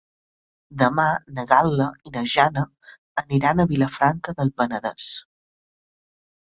Demà na Gal·la i na Jana aniran a Vilafranca del Penedès.